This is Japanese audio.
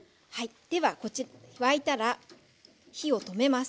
では沸いたら火を止めます。